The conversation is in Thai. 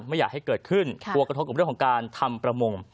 ไม่อยากให้เกิดขึ้นกลัวกระทบกับเรื่องของการทำประมง